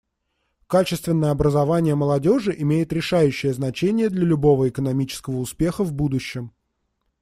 Качественное образование молодежи имеет решающее значение для любого экономического успеха в будущем.